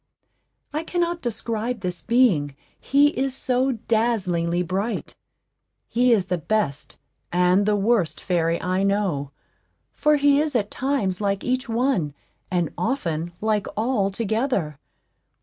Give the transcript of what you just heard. I cannot describe this being, he is so dazzlingly bright. He is the best and the worst fairy I know, for he is at times like each one, and often like all together.